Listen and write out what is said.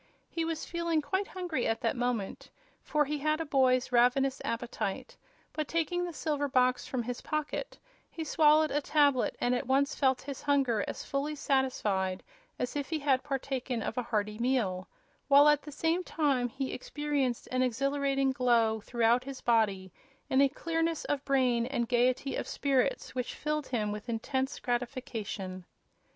He was feeling quite hungry at that moment, for he had a boy's ravenous appetite; but, taking the silver box from his pocket, he swallowed a tablet and at once felt his hunger as fully satisfied as if he had partaken of a hearty meal, while at the same time he experienced an exhilarating glow throughout his body and a clearness of brain and gaiety of spirits which filled him with intense gratification.